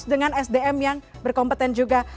dengan sdm yang berkompeten juga